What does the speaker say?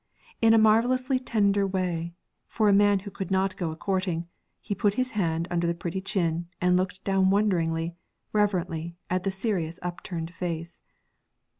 In a marvellously tender way, for a man who could not go a courting, he put his hand under the pretty chin and looked down wonderingly, reverently, at the serious upturned face.